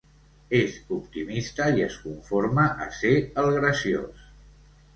És optimista i es conforma a ser el graciós.